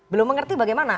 belum mengerti bagaimana